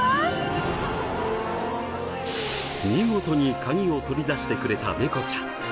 見事に鍵を取り出してくれたネコちゃん。